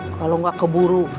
kalau nggak keburu